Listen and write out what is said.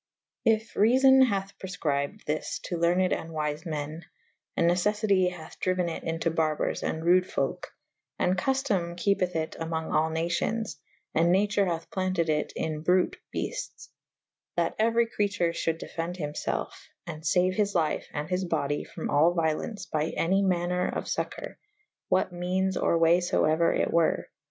If reafon hath prefcrybed this to lerned and wyfe me« / and necef fity hathe dryuen it into barbours and rude folke /& cuftome kepeth it among all nacions/and nature hathe planted it in bruyte beltes' / that euery creature fhulde defe^de hym felfe and faue his lyfe and his body from all violence by any maner of focour / what meanes or way fo euer it were.